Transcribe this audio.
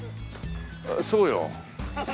そうよ。